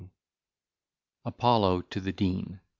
] APOLLO TO THE DEAN.